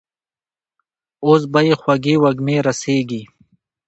اوس به يې خوږې وږمې رسېږي.